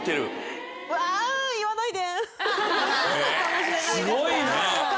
すごいな！